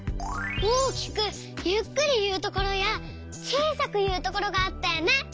大きくゆっくりいうところやちいさくいうところがあったよね。